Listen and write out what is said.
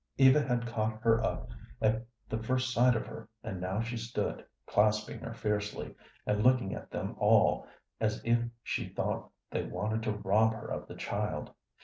Eva had caught her up at the first sight of her, and now she stood clasping her fiercely, and looking at them all as if she thought they wanted to rob her of the child.